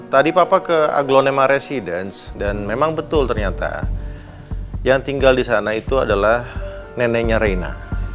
tadi papa ke aglonema residence dan memang betul ternyata yang tinggal di sana itu adalah neneknya reina